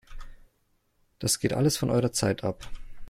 Das geht alles von eurer Zeit ab!